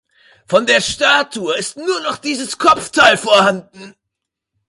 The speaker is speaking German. Von der Statue ist nur noch dieses Kopfteil vorhanden.